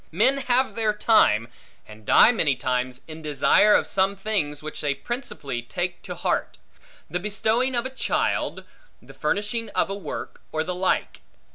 Men have their time, and die many times, in desire of some things which they principally take to heart; the bestowing of a child, the finishing of a work, or the like.